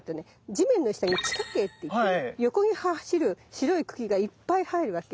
地面の中に地下茎っていって横に走る白い茎がいっぱい生えるわけ。